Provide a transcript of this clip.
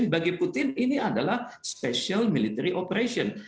bagi putin ini adalah spesial operasi militer